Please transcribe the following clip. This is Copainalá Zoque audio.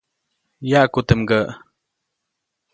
Yaʼku teʼ mgäʼ.